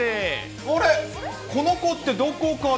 この子って、どこかで？